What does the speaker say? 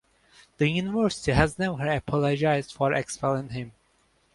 The university has never apologized for expelling him.